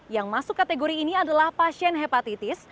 yang masuk kategori ini adalah pasien hepatitis